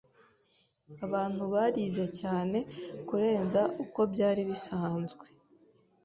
Abantu barize cyane kurenza uko byari bisanzwe.